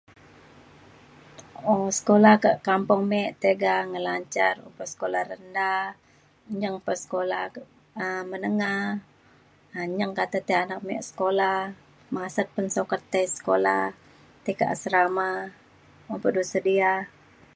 um sekolah kak kampung me tiga ngelancar ukok sekolah rendah nyeng pa sekolah um menengah um nyeng kata tai anak me sekolah masat ngan sukat tai sekolah tai kak asrama o pa du sedia